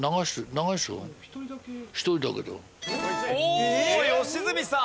おお良純さん！